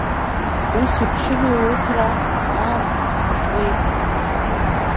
Ус иԥшыми луҭра, аамҭа ццакуеит…